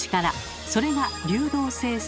それが流動性推理。